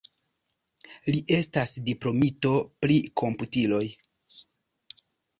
Li estas diplomito pri komputiloj.